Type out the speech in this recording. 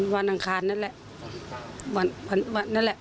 วันอังคารนั่นแหละ